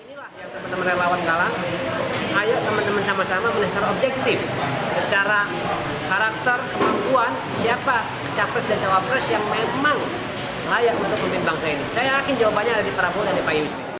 memang layak untuk pemimpin bangsa ini saya yakin jawabannya ada di prabowo dan di paya yusril